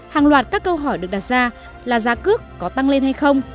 hàng loạt các câu hỏi được đặt ra là giá cước có tăng lên hay không